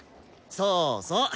そうそう！